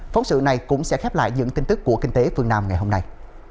phóng sự này cũng sẽ khép lại những tin tức của kinh tế phương nam ngày hôm nay